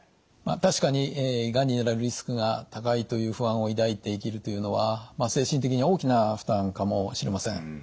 確かにがんになるリスクが高いという不安を抱いて生きるというのは精神的に大きな負担かもしれません。